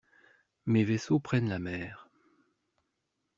Mes vaisseaux prennent la mer.